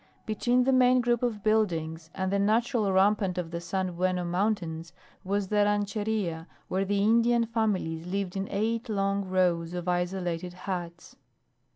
Between the main group of buildings and the natural rampart of the "San Bruno Mountains" was the Rancheria, where the Indian families lived in eight long rows of isolated huts.